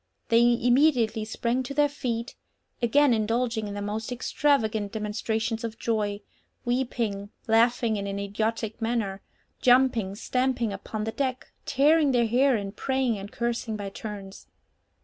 They immediately sprang to their feet, again indulging in the most extravagant demonstrations of joy, weeping, laughing in an idiotic manner, jumping, stamping upon the deck, tearing their hair, and praying and cursing by turns.